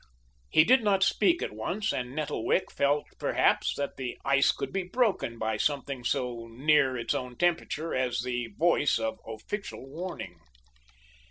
He did not speak at once, and Nettlewick felt, perhaps, that the ice could be broken by something so near its own temperature as the voice of official warning.